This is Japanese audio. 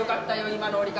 今の降り方